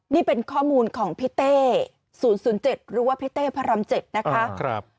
นี่เป็นข้อมูลของพี่เต้๐๐๗หรือว่าพี่เต้พระราม๗นะคะ